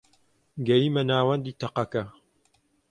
گەیمە ناوەندی تەقەکە